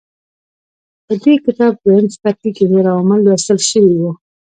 په دې کتاب دویم څپرکي کې نور عوامل لوستل شوي وو.